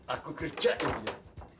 aku kerja ini ya